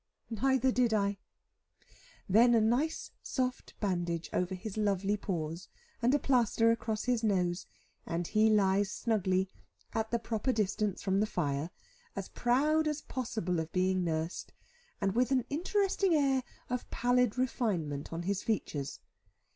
Neither did I. Then a nice soft bandage over his lovely paws, and a plaister across his nose, and he lies snugly, at the proper distance from the fire, as proud as possible of being nursed, and with an interesting air of pallid refinement on his features.